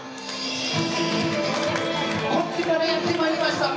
こっちからやってまいりました！